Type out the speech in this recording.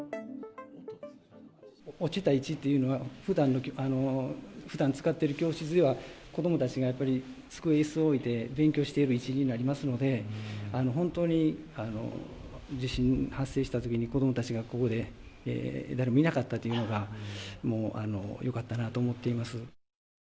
落ちた位置っていうのが、ふだん使っている教室では、子どもたちがやっぱり、机、いす置いて勉強している位置になりますので、本当に地震発生したときに、子どもたちがここで誰もいなかったというのが、もう、よかったなと思っています。